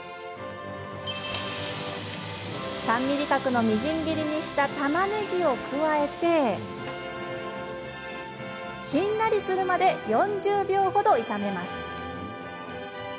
３ｍｍ角のみじん切りにしたたまねぎを加えてしんなりするまで４０秒ほど炒めます。